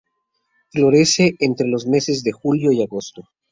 Florece entre los meses de julio y agosto.